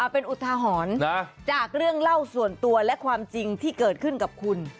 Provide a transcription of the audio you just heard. เป็นอุทาหรณ์จากเรื่องเล่าส่วนตัวและความจริงที่เกิดขึ้นกับคุณ